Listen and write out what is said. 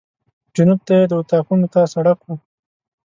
جنوب ته یې د اطاقونو ته سړک و.